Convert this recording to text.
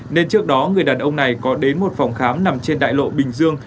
nên trước đó người đàn ông này có đến một phòng khám nằm trên đại lộ bình dương